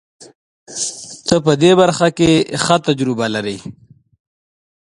ته په دې برخه کې ښه تجربه لرې.